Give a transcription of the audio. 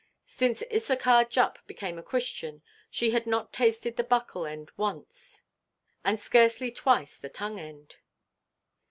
Since Issachar Jupp became a Christian she had not tasted the buckle–end once, and scarcely twice the tongue–end.